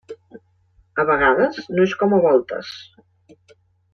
A vegades no és com a voltes.